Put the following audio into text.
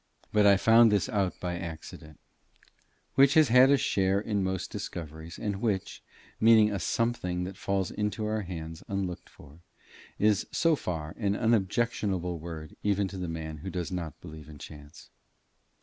But I found this out by accident, which has had a share in most discoveries, and which, meaning a something that falls into our hands unlocked for, is so far an unobjectionable word even to the man who does not believe in chance.